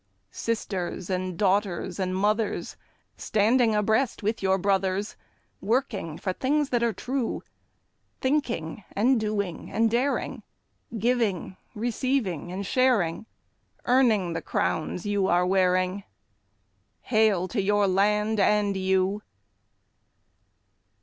Sisters and daughters and mothers, Standing abreast with your brothers, Working for things that are true; Thinking and doing and daring, Giving, receiving, and sharing, Earning the crowns you are wearing— Hail to your land and you!